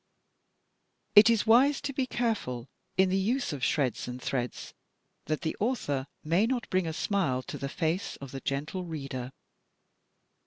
It is wise to be careful in the use of shreds and threads that the author may not bring a smile to the face of the "gentle reader."